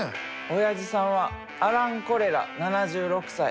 おやじさんはアラン・コレラ７６歳。